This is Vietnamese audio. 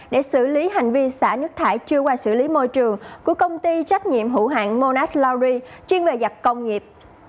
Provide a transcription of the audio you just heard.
để xử lý hành vi xả nước thải chưa qua xử lý môi trường của công ty trách nhiệm hữu hạng monat lauri chuyên về giặt công nghiệp